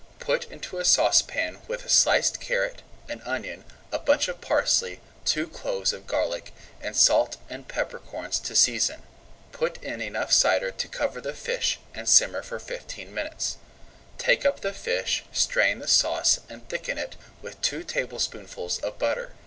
[Page 124] Put into a saucepan with a sliced carrot, an onion, a bunch of parsley, two cloves of garlic, and salt and pepper corns to season. Put in enough cider to cover the fish, and simmer for fifteen minutes. Take up the fish, strain the sauce, and thicken it with two tablespoonfuls of butter.